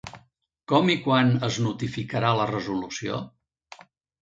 Com i quan es notificarà la resolució?